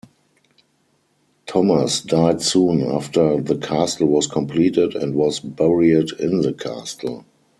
Thomas died soon after the castle was completed and was buried in the castle.